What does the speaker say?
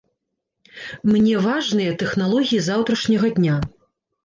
Мне важныя тэхналогіі заўтрашняга дня.